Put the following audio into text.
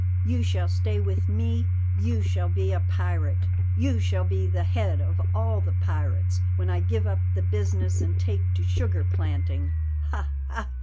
You shall stay with me, you shall be a pirate. You shall be the head of all the pirates when I give up the business and take to sugar planting. Ha! ha!